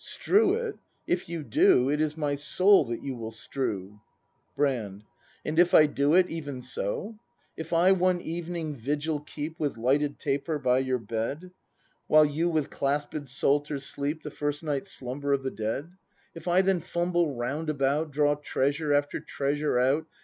Strew it! If you do. It is my soul that you will strew! Brand. And if I do it, even so ? If I one evening vigil keep With lighted taper by your bed, While you with clasped Psalter sleep The first night's slumber of the dead, — 87 88 BRAND [act ii If I then fumble round about. Draw treasure after treasure out.